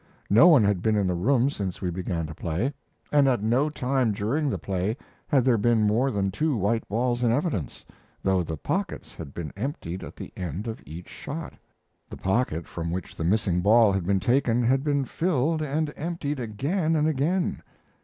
No one had been in the room since we began to play, and at no time during the play had there been more than two white balls in evidence, though the pockets had been emptied at the end of each shot. The pocket from which the missing ball had been taken had been filled and emptied again and again.